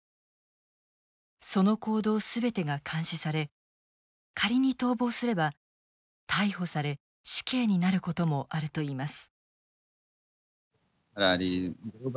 その行動全てが監視され仮に逃亡すれば逮捕され死刑になることもあるといいます。